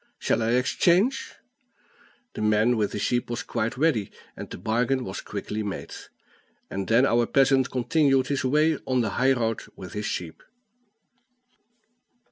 Shall I exchange?" The man with the sheep was quite ready, and the bargain was quickly made. And then our peasant continued his way on the high road with his sheep.